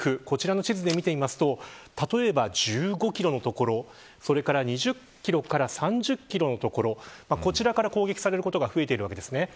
こちらの地図で見ると１５キロの所それから２０キロから３０キロの所ここから攻撃されることが増えているわけです。